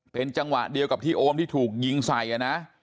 เป็นจังหวะเดียวกับที่โอมที่ถูกยิงใส่นะ